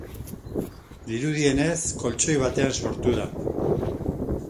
Dirudienez, koltxoi batean sortu da.